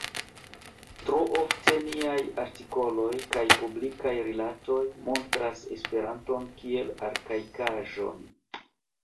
Tro ofte, niaj artikoloj kaj publikaj rilatoj montras Esperanton kiel arkaikaĵon.